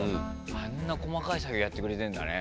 あんな細かい作業やってくれてんだね。